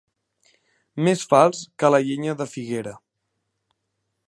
Més fals que la llenya de figuera.